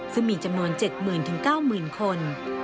ซึ่งมีจำนวน๗๐๐๐๐ถึง๙๐๐๐๐คน